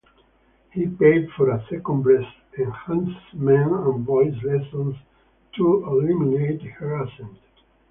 He paid for a second breast enhancement and voice lessons to eliminate her accent.